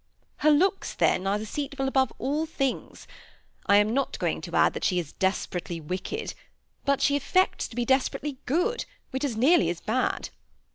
"Her looks then are deceitful above all things. I am not going to add that she is desperately wicked ; but she affects to be desperately good, which is nearly as bad."